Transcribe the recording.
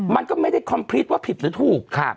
มันก็ไม่ได้คอมพลิตว่าผิดหรือถูก